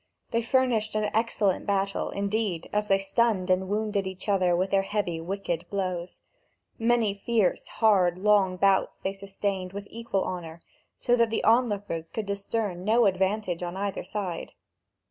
They furnished an excellent battle, indeed, as they stunned and wounded each other with their heavy, wicked blows. Many fierce, hard, long bouts they sustained with equal honour, so that the onlookers could discern no advantage on either side.